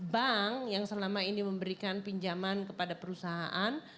bank yang selama ini memberikan pinjaman kepada perusahaan